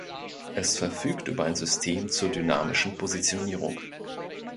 Es verfügt über ein System zur dynamischen Positionierung.